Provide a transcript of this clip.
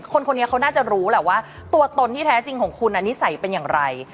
คนนี้เขาน่าจะรู้แหละว่าตัวตนที่แท้จริงของคุณนิสัยเป็นอย่างไร